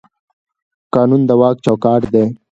قانون د واک چوکاټ دی